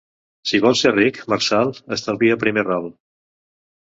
Si vols ser ric, Marçal, estalvia el primer ral.